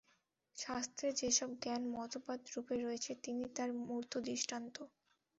শাস্ত্রে যে-সব জ্ঞান মতবাদরূপে রয়েছে, তিনি তার মূর্ত দৃষ্টান্ত।